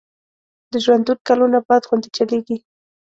د ژوندون کلونه باد غوندي چلیږي